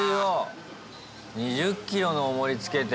２０ｋｇのおもりつけて。